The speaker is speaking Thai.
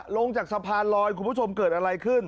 ลงจากสะพานลอยคุณผู้ชมเกิดอะไรขึ้น